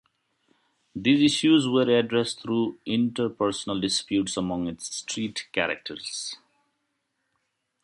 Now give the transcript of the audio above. These issues were addressed through interpersonal disputes among its Street characters.